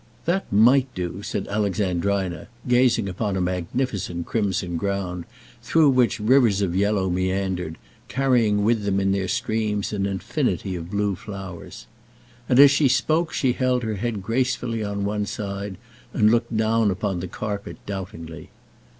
"That might do," said Alexandrina, gazing upon a magnificent crimson ground through which rivers of yellow meandered, carrying with them in their streams an infinity of blue flowers. And as she spoke she held her head gracefully on one side, and looked down upon the carpet doubtingly.